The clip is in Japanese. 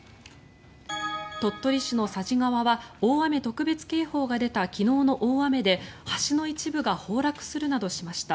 鳥取市の佐治川は大雨特別警報が出た昨日の大雨で橋の一部が崩落するなどしました。